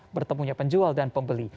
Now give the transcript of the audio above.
bertemunya penjual dan pembeli